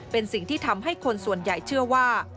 เป็นสิ่งที่ทำให้คนส่วนใหญ่เชื่อว่า